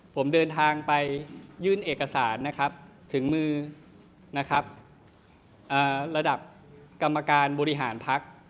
ผมเดินทางไปยื่นเอกสารนะครับถึงมือนะครับระดับกรรมการบริหารพัก